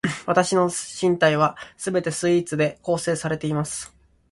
わたしの身体は全てスイーツで構成されています